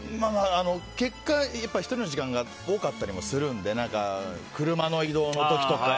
結果、１人の時間が多かったりするので車の移動の時とか。